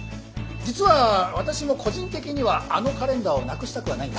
実は私も個人的にはあのカレンダーをなくしたくはないんだ。